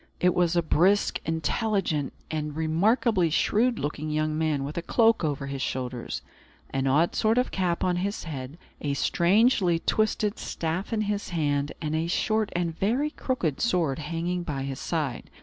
It was a brisk, intelligent, and remarkably shrewd looking young man, with a cloak over his shoulders, an odd sort of cap on his head, a strangely twisted staff in his hand, and a short and very crooked sword hanging by his side.